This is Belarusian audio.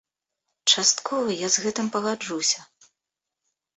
Часткова я з гэтым пагаджуся.